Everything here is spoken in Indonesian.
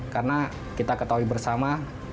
karena kita ketahui bersama